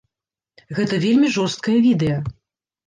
Гэта вельмі жорсткае відэа.